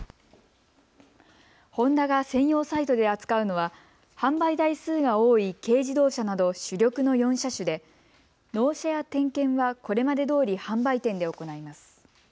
ホンダが専用サイトで扱うのは販売台数が多い軽自動車など主力の４車種で納車や点検はこれまでどおり販売店で行います。